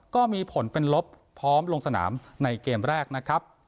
ก็มีผลเป็นลบพร้อมลงสนามในเกมแรกนะครับ